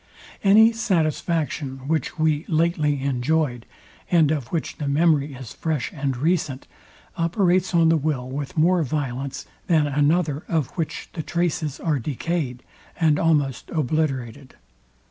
Any satisfaction, which we lately enjoyed, and of which the memory is fresh and recent, operates on the will with more violence, than another of which the traces are decayed, and almost obliterated.